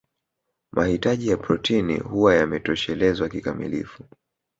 Mahitaji ya protini huwa yametoshelezwa kikamilifu